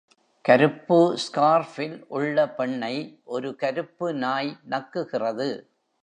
கருப்பு ஸ்கார்ஃபில் உள்ள பெண்ணை ஒரு கருப்பு நாய் நக்குகிறது.